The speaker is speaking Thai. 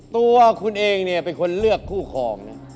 ตัวคุณเองเนี่ยเป็นคนเลือกคู่ครองนะ